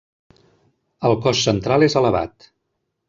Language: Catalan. El cos central és elevat.